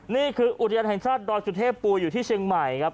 นี่คืออุทยานแห่งชาติดอยสุเทพปูอยู่ที่เชียงใหม่ครับ